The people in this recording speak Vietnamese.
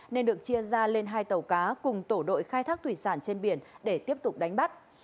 nên được chia ra lên hai tàu cá cùng tổ đội khai thác thủy sản trên biển để tiếp tục đánh bắt